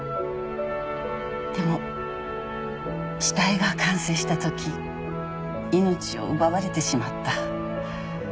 でも下絵が完成したとき命を奪われてしまった。